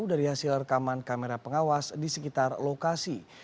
dari hasil rekaman kamera pengawas di sekitar lokasi